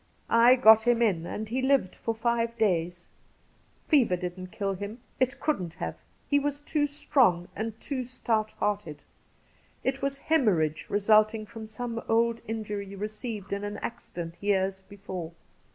I got him in and he lived for five days. Fever didn't kill him ; it couldn't have ; he was too strong and too stout hearted. It was haemorrhage resulting from some old injury received in an accident years before.